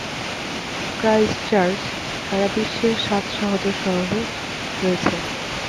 Christchurch সারা বিশ্বের সাত সহোদর শহরে রয়েছে।